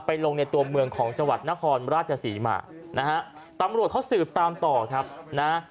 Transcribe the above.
ลงในตัวเมืองของจังหวัดนครราชศรีมานะฮะตำรวจเขาสืบตามต่อครับนะ